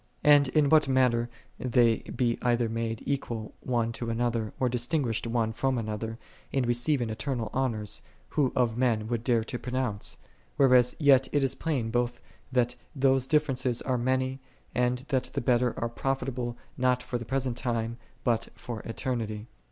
And in what manner they be either made equal one to another, or dis tinguished one from another, in receiving eternal honors, who of men would dare to pronounce ? whereas yet it is plain both that those differences are many, and that the better are profitable not for the present time, ! but for eternity.